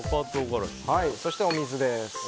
そしてお水です。